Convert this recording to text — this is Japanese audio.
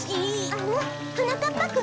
あらはなかっぱくんなの？